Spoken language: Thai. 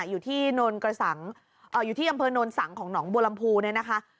อยู่ที่โนนกระสังอยู่ที่อำเภอโนนสังของหนองบัวลำพูเนี่ยนะคะ